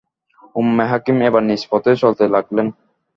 উম্মে হাকীম এবার নিজ পথে চলতে লাগলেন।